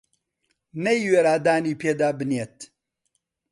نەیوێرا دانی پێدا بنێت